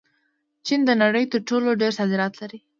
چین د نړۍ تر ټولو ډېر صادرات لري.